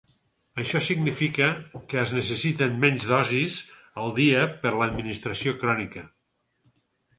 Això significa que es necessiten menys dosis al dia per a l'administració crònica.